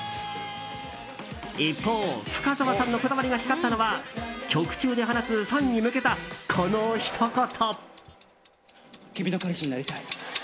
一方、深澤さんのこだわりが光ったのは曲中で放つ、ファンに向けたこのひと言。